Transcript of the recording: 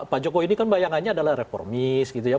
pak jokowi ini kan bayangannya adalah reformis gitu ya